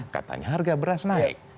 katanya harga beras naik